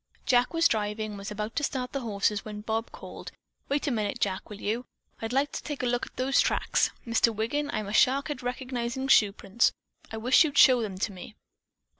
Jack was driving and was about to start the horses when Bob called: "Wait a minute, Jack, will you? I'd like to take a look at those tracks. Mr. Wiggin, I'm a shark at recognizing shoeprints. I wish you'd show them to me."